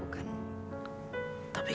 tapi kenapa kamu memandangku